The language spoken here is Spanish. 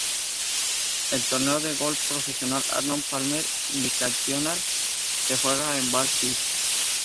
El torneo de golf profesional Arnold Palmer Invitational se juega en Bay Hill.